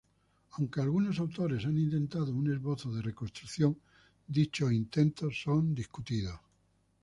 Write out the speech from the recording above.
Aunque algunos autores han intentado un esbozo de reconstrucción, dichos intentos son discutidos.